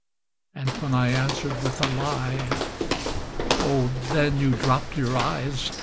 And when I answered with a lie. Oh then You dropped your eyes.